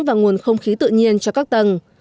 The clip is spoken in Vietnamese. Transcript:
và nguồn không khí tự nhiên cho các tầng